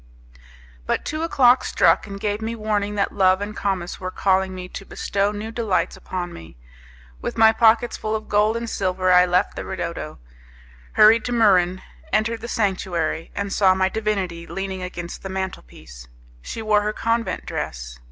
But two o'clock struck and gave me warning that Love and Comus were calling me to bestow new delights upon me. With my pockets full of gold and silver, I left the ridotto, hurried to Muran, entered the sanctuary, and saw my divinity leaning against the mantelpiece. She wore her convent dress.